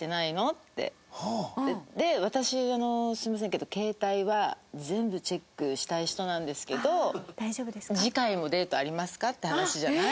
で「私すみませんけど携帯は全部チェックしたい人なんですけど次回もデートありますか？」って話じゃない？